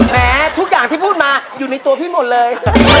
แม้ทุกอย่างที่พูดมาอยู่ในตัวพี่หมดเลย